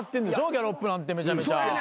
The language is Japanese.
ギャロップなんてめちゃめちゃ。